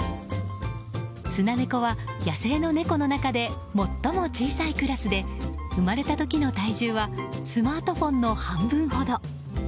スナネコは野生の猫の中で最も小さいクラスで生まれた時の体重はスマートフォンの半分ほど。